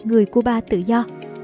người cuba tự do